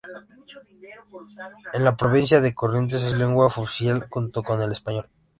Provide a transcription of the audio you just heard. En la provincia de Corrientes es lengua oficial junto con el español.